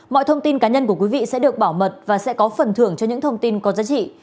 mọi thông tin cá nhân của quý vị sẽ được bảo mật và sẽ có phần thưởng cho những thông tin có giá trị